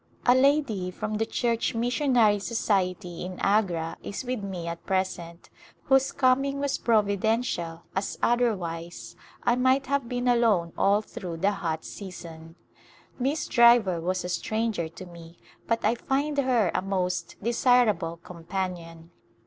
A lady from the Church Missionary Society in Agra A Neiv Companion is with me at present, whose coming was providential as otherwise I might have been alone all through the hot season. Miss Driver was a stranger to me but I find her a most desirable companion.